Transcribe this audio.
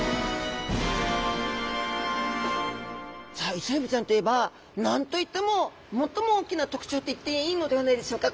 さあイセエビちゃんといえばなんといっても最も大きな特徴といっていいのではないでしょうか